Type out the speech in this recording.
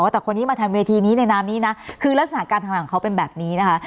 แต่คนนี้มาทำเวทีนี้ในนามนี้นะคือลักษณะการทำงานของเขาเป็นแบบนี้นะคะ